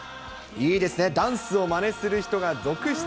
いいですね、ダンスをまねする人が続出。